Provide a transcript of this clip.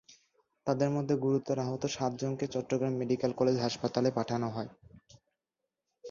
তাঁদের মধ্যে গুরুতর আহত সাতজনকে চট্টগ্রাম মেডিকেল কলেজ হাসপাতালে পাঠানো হয়।